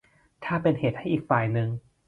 ถ้าเป็นเหตุให้อีกฝ่ายหนึ่ง